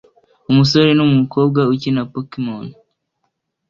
Umusore numukobwa ukina Pokemon